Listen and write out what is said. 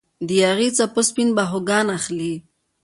د یاغي څپو سپین باهوګان اخلي